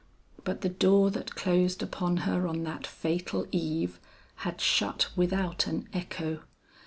But the door that closed upon her on that fatal eve, had shut without an echo.